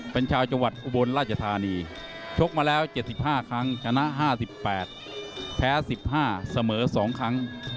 เป็นชาวจังหวัดอุบลราชธานีชกมาแล้ว๗๕ครั้งชนะ๕๘แพ้๑๕เสมอ๒ครั้ง